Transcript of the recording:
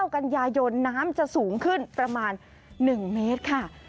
กันยายนน้ำจะสูงขึ้นประมาณ๑เมตรค่ะ